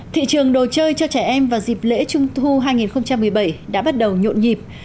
thị trường đồ chơi cho trẻ em vào dịp lễ trung thu hai nghìn một mươi bảy đã bắt đầu nhộn nhịp